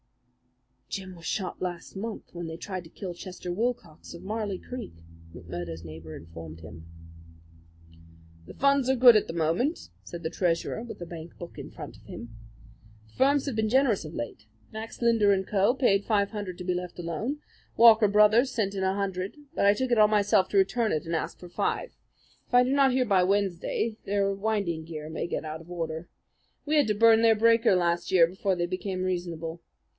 "Jim was shot last month when they tried to kill Chester Wilcox of Marley Creek," McMurdo's neighbour informed him. "The funds are good at the moment," said the treasurer, with the bankbook in front of him. "The firms have been generous of late. Max Linder & Co. paid five hundred to be left alone. Walker Brothers sent in a hundred; but I took it on myself to return it and ask for five. If I do not hear by Wednesday, their winding gear may get out of order. We had to burn their breaker last year before they became reasonable.